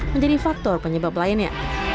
menjadi faktor penyebab lainnya